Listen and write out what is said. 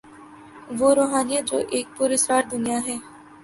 وہ روحانیت جو ایک پراسرار دنیا ہے۔